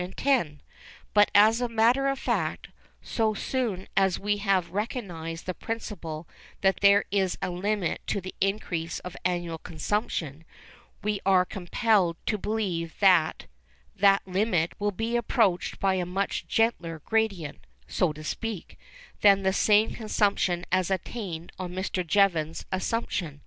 But, as a matter of fact, so soon as we have recognised the principle that there is a limit to the increase of annual consumption, we are compelled to believe that that limit will be approached by a much gentler gradient, so to speak, than the same consumption as attained on Mr. Jevons's assumption.